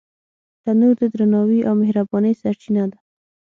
تنور د درناوي او مهربانۍ سرچینه ده